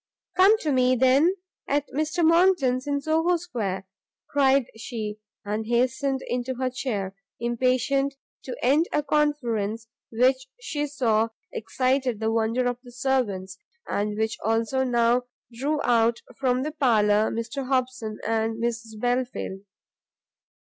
"Come to me, then, at Mr Monckton's in Soho Square," cried she, and hastened into her chair, impatient to end a conference which she saw excited the wonder of the servants, and which also now drew out from the parlour Mr Hobson and Mrs Belfield.